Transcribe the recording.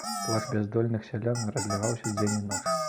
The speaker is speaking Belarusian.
Плач бяздольных сялян разлягаўся дзень і ноч.